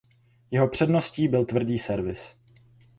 Jeho předností byl tvrdý servis.